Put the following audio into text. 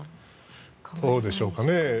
どうでしょうかね。